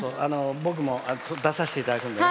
僕も出させていただくんでね。